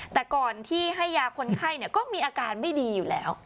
แต่ก่อนที่ให้ยาคนไข้ก็มีอาการไม่ดีอยู่แล้ว